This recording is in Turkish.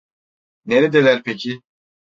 Neredeler peki?